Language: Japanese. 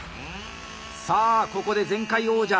さあここで前回王者！